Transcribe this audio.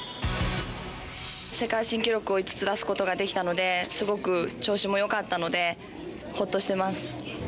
世界新記録を５つ出すことができたので、すごく調子もよかったので、ほっとしてます。